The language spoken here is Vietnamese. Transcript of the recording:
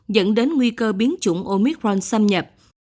dẫn đến nguy cơ biến chủng omicron xâm nhập